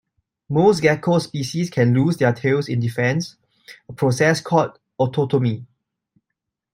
Most gecko species can lose their tails in defense, a process called autotomy.